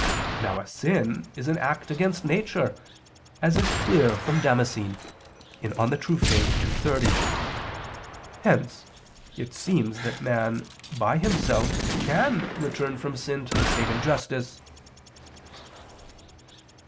Now a sin is an act against nature, as is clear from Damascene (De Fide Orth. ii, 30). Hence it seems that man by himself can return from sin to the state of justice.